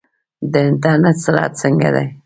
د انټرنیټ سرعت څنګه دی؟